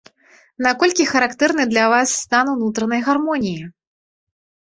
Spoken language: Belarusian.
Наколькі характэрны для вас стан унутранай гармоніі?